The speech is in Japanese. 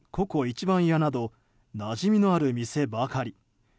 番屋などなじみのある店ばかり。